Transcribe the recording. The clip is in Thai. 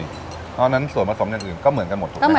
เพราะฉะนั้นส่วนผสมอย่างอื่นก็เหมือนกันหมดถูกไหมครับ